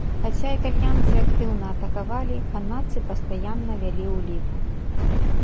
Хаця італьянцы актыўна атакавалі, канадцы пастаянны вялі ў ліку.